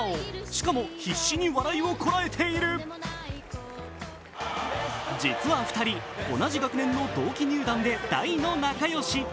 しかも、必死に笑いをこらえている実は２人、同じ学年の同期入団で大の仲良し。